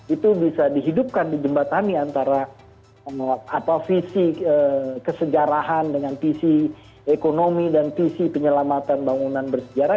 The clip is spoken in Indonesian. itu bisa dihidupkan di jembatani antara atau visi kesejarahan dengan visi ekonomi dan visi penyelamatan bangunan bersejarah